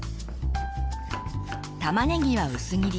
玉ねぎは薄切り。